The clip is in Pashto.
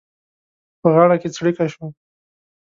په غاړه کې څړيکه شوه.